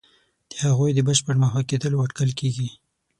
د هغوی د بشپړ محو کېدلو اټکل کېږي.